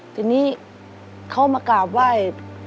ทีนี้เขามากราบไหว้